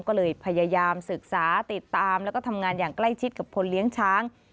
ก็เลยพยายามศึกษาติดตามแล้วก็ทำงานอย่างใกล้ชิดกับคนเลี้ยงช้าง